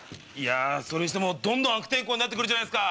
それにしてもどんどん悪天候になって来るじゃないっすか。